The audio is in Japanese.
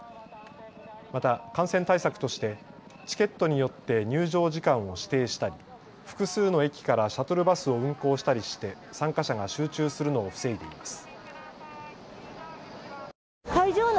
また、感染対策としてチケットによって入場時間を指定したり複数の駅からシャトルバスを運行したりして参加者が集中するのを防いでいます。